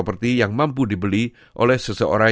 seperti yang mampu dibeli oleh seseorang